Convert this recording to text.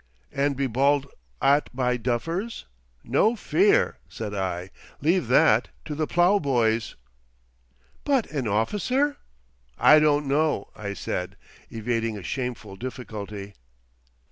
"And be bawled at by duffers? No fear!" said I. "Leave that to the plough boys." "But an officer?" "I don't know," I said, evading a shameful difficulty.